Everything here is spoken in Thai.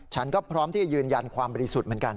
ฉันก็พร้อมที่จะยืนยันความบริสุทธิ์เหมือนกัน